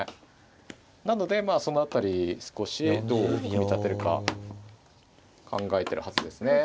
なのでその辺り少しどう組み立てるか考えてるはずですね。